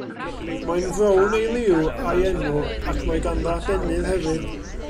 Mae'n frown ei liw a'i enw, ac mae ganddo adenydd efydd.